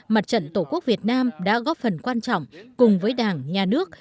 mặt trận tổ quốc việt nam đã góp phần quan trọng cùng với đảng nhà nước